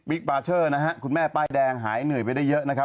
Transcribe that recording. บาเชอร์นะฮะคุณแม่ป้ายแดงหายเหนื่อยไปได้เยอะนะครับ